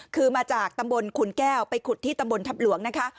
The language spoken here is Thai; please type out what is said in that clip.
คือมาจากตำบลขุนแก้วไปขุดที่ตำบลทัพหลวงนะคะ